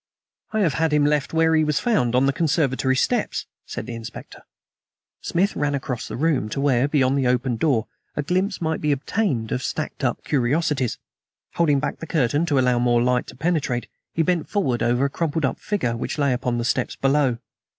"I have had him left where he was found on the conservatory steps," said the Inspector. Smith ran across the room to where, beyond the open door, a glimpse might be obtained of stacked up curiosities. Holding back the curtain to allow more light to penetrate, he bent forward over a crumpled up figure which lay upon the steps below.